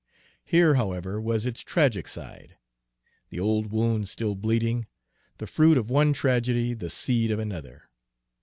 Here, however, was its tragic side, the old wound still bleeding, the fruit of one tragedy, the seed of another.